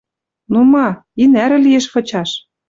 Ну ма? И нӓрӹ лиэш вычаш.